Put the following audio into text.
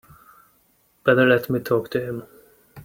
Better let me talk to him.